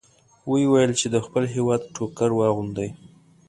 ویې ویل چې د خپل هېواد ټوکر واغوندئ.